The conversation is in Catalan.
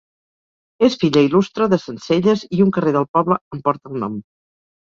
És filla il·lustre de Sencelles i un carrer del poble en porta el nom.